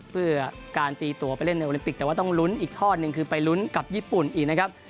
เพื่อการตีตัวไปเล่นในโอลิมปิกแต่ว่าต้องลุ้นอีกทอดหนึ่งคือไปลุ้นกับญี่ปุ่นอีกนะครับ